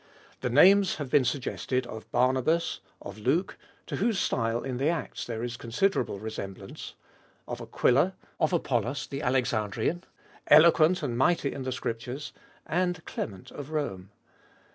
The names have been suggested of Barnabas, of Luke (to whose style in the Acts there is considerable resemblance), of Aquila, of Apollos the Alexandrian (eloquent and mighty in the Scriptures), and Clement of Rome.